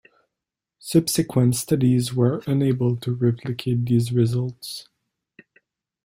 Subsequent studies were unable to replicate these results.